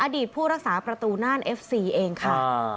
ผู้รักษาประตูน่านเอฟซีเองค่ะ